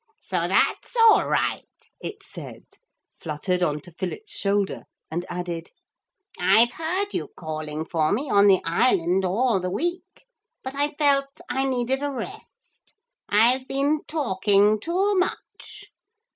'So that's all right,' it said, fluttered on to Philip's shoulder and added, 'I've heard you calling for me on the island all the week. But I felt I needed a rest. I've been talking too much.